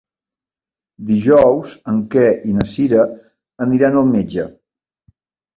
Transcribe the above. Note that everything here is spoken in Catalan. Dijous en Quer i na Cira aniran al metge.